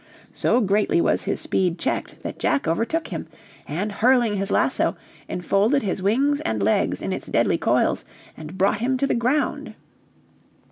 So greatly was his speed checked that Jack overtook him, and hurling his lasso, enfolded his wings and legs in its deadly coils and brought him to the ground.